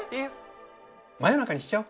真夜中にしちゃお。